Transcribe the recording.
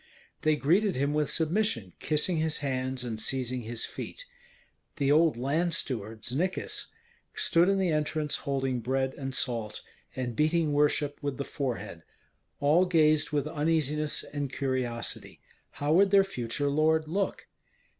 They greeted him with submission, kissing his hands and seizing his feet. The old land steward, Znikis, stood in the entrance holding bread and salt, and beating worship with the forehead; all gazed with uneasiness and curiosity, how would their future lord look?